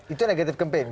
itu negatif campaign